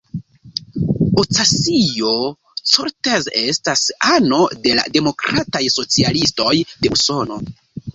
Ocasio-Cortez estas ano de la Demokrataj Socialistoj de Usono.